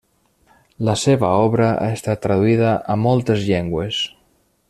La seva obra ha estat traduïda a moltes llengües.